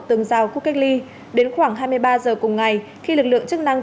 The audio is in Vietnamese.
từng giao của cách ly đến khoảng hai mươi ba h cùng ngày khi lực lượng chức năng